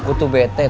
aku tuh bte tau